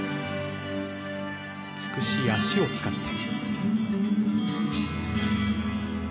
美しい足を使っています。